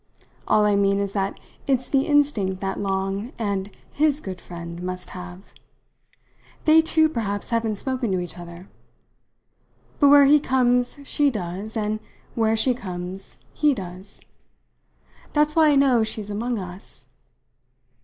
All I mean is that it's the instinct that Long and his good friend must have. They too perhaps haven't spoken to each other. But where he comes she does, and where she comes he does. That's why I know she's among us."